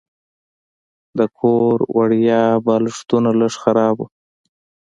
د کور وړیا بالښتونه لږ خراب وو.